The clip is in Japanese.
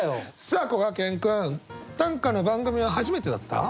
さあこがけん君短歌の番組は初めてだった？